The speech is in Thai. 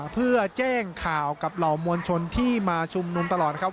เพื่อแจ้งข่าวกับเหล่ามวลชนที่มาชุมนุมตลอดนะครับ